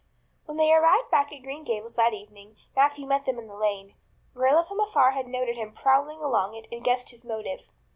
When they arrived back at Green Gables that evening Matthew met them in the lane. Marilla from afar had noted him prowling along it and guessed his motive.